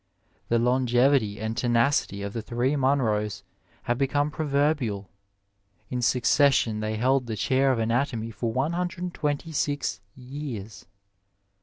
The long evity and tenacity of the three Monros have become pro verbial ; in succession they held the chair of anatomy for 126 years.